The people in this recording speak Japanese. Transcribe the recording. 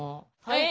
はい！